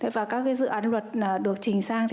và các dự án luật được trình sang